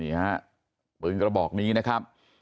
นี่ฮะปืนกระบอกนี้นะครับ